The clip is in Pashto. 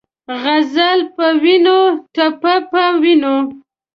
غزل پۀ وینو ، ټپه پۀ وینو